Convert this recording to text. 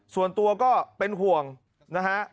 ส่วนตัวก็เป็นห่วงนะฮะ